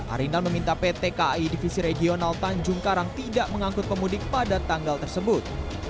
arinal meminta pt kai divisi regional tanjung karang tidak mengangkut pemudik pada tanggal tersebut